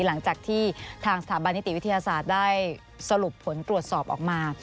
หลังจากที่ทางสถาบันนิติวิทยาศาสตร์ได้สรุปผลตรวจสอบออกมา